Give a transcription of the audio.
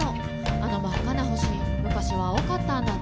「あの真っ赤な星昔は青かったんだって」